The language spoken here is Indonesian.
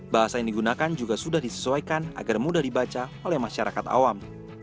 bahasa yang digunakan juga sudah disesuaikan agar mudah dibaca oleh masyarakat awam